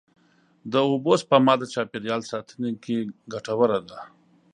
د اوبو سپما د چاپېریال ساتنې کې ګټوره ده.